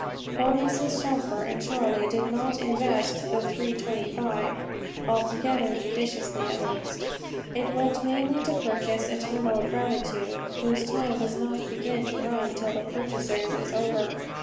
Poor Mrs. Shelfer and Charley did not invest the 325*l.* altogether judiciously: at least, it went mainly to purchase "eternal gratitude," whose time does not begin to run till the purchaser's is over.